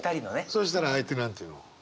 そしたら相手何て言うの？